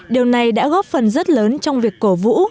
điều này đã góp phần rất lớn trong việc cổ vũ